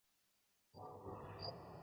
大拿坡里圣加大肋纳堂广场。